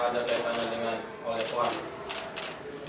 apa ada kesan dengan oleh puan